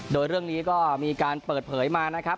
โดยเรื่องนี้ก็มีการเปิดเผยมานะครับ